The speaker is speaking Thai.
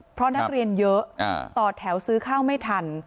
เพราะนักเรียนเยอะต่อแถวซื้อข้าวไม่ทัน